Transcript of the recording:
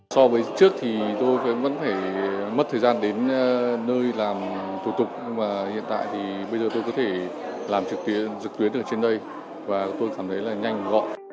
so với trước thì tôi vẫn phải mất thời gian đến nơi làm thủ tục nhưng mà hiện tại thì bây giờ tôi có thể làm trực tuyến ở trên đây và tôi cảm thấy là nhanh gọn